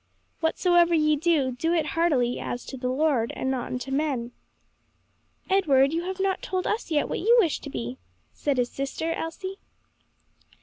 Whatsoever ye do, do it heartily, as to the Lord, and not unto men.'" "Edward, you have not told us yet what you wish to be," said his sister Elsie.